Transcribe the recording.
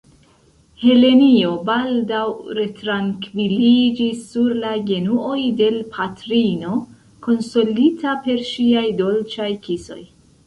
Helenjo baldaŭ retrankviliĝis sur la genuoj de l' patrino, konsolita per ŝiaj dolĉaj kisoj.